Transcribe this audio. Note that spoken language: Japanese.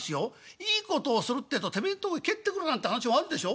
いいことをするってえとてめえんとこに帰ってくるなんて話もあるでしょ？